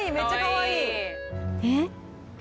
えっ？